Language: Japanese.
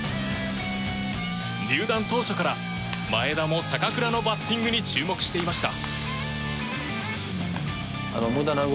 入団当初から前田も坂倉のバッティングに注目していました。